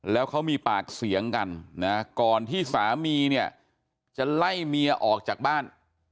แล้วเขามีปากเสียงกันนะก่อนที่สามีเนี่ยจะไล่เมียออกจากบ้าน